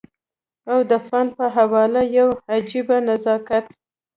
او د فن په حواله يو عجيبه نزاکت